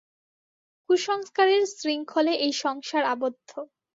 কুসংস্কারের শৃঙ্খলে এই সংসার আবদ্ধ।